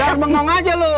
jangan bengong aja lu